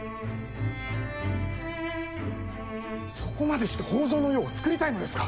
そこまでして北条の世をつくりたいのですか。